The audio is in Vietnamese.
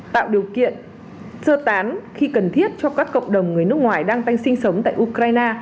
tạo điều kiện sơ tán khi cần thiết cho các cộng đồng người nước ngoài đang tanh sinh sống tại ukraine